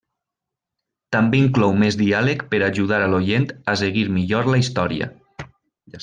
També inclou més diàleg per ajudar a l'oient a seguir millor la història.